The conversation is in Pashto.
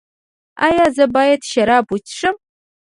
ایا زه باید شراب وڅښم؟